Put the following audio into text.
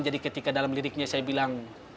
jadi ketika dalam liriknya saya bilang